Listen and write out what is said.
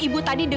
dia pasti menang